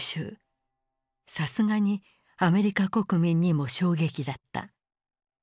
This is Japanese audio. さすがにアメリカ国民にも衝撃だった。